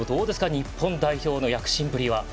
日本代表の躍進ぶりは。